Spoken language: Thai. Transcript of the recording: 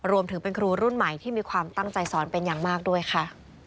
รวมถึงเป็นครูรุ่นใหม่ที่มีความตั้งใจสอนเป็นอย่างมากด้วยค่ะ